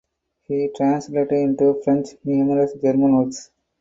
He translated into French numerous German works.